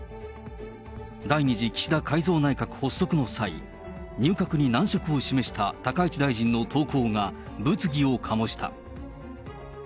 第２次岸田改造内閣発足の際、入閣に難色を示した高市大臣の投稿が物議を醸した。